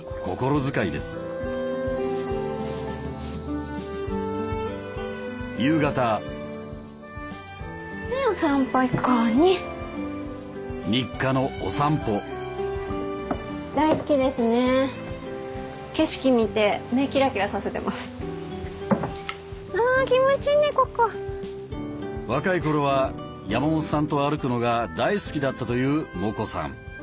若い頃は山本さんと歩くのが大好きだったというモコさん。